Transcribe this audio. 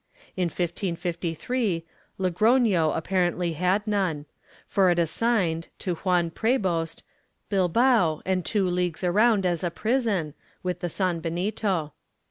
^ In 1553, Logrono apparently had none, for it assigned, to Juan Prebost, Bilbao and two leagues around as a prison, with the sanbenito.'